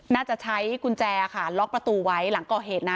น่าจะใช้กุญแจค่ะล็อกประตูไว้หลังก่อเหตุนะ